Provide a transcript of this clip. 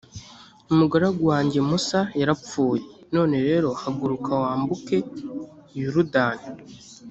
umugaragu wanjye musa yarapfuye, none rero haguruka wambuke yorudani